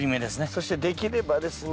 そしてできればですね